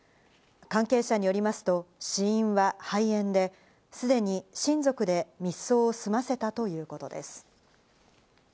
関係者によりますと死因は肺炎ですでに親族で密葬を済ませたということです。